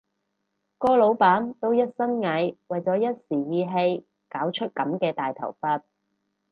個老闆都一身蟻，為咗一時意氣搞出咁大頭佛